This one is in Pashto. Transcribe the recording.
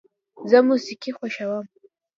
زه موسیقي خوښوم.